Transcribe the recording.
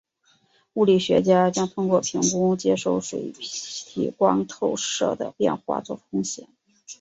物理学家将通过评估接收水体光透射的变化做出贡献。